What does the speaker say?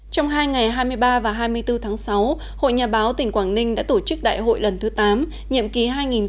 trong hai ngày hai mươi ba và hai mươi bốn tháng sáu hội nhà báo tỉnh quảng ninh đã tổ chức đại hội lần thứ tám nhiệm ký hai nghìn hai mươi hai nghìn hai mươi năm